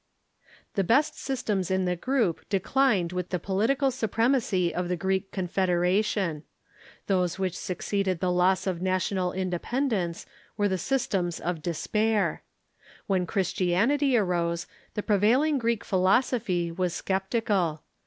The best systems in the group declined with the political supremacy of the Greek confederation. Those which suc ceeded the loss of national independence were the ^^Phu °' ^h^^ systems of despair, AYhen Christianity arose, the prevailing Greek philosophy was sceptical.